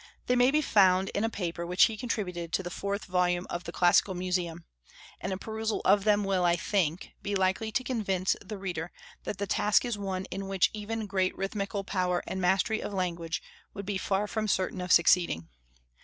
They may he found in a paper which he contributed to the fourth volume of the "Classical Museum;" and a perusal of them will, I think, be likely to convince the reader that the task is one in which even great rhythmical power and mastery of language would be far from certain of succeeding.